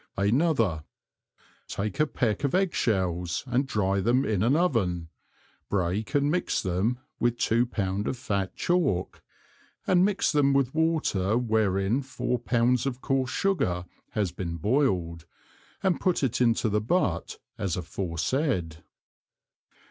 ANOTHER. Take a Peck of Egg shells and dry them in an Oven, break and mix them with two Pound of fat Chalk, and mix them with water wherein four Pounds of coarse Sugar has been boiled, and put it into the Butt as aforesaid.